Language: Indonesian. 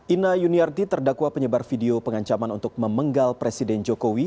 ina yuniarti terdakwa penyebar video pengancaman untuk memenggal presiden jokowi